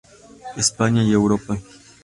España y Europa.